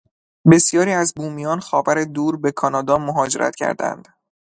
بسیاری از بومیان خاور دور به کانادا مهاجرت کردهاند.